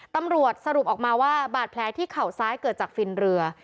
ตำรวจสรุปออกมาว่าบาดแผลที่เข่าซ้ายเกิดจากฟินเรือ